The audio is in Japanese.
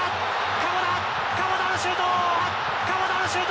鎌田のシュート。